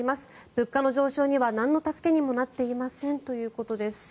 物価の上昇にはなんの助けにもなっていませんということです。